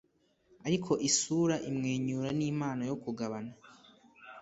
ariko isura imwenyura nimpano yo kugabana